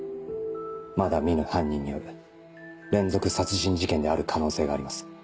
まだ見ぬ犯人による連続殺人事件である可能性があります。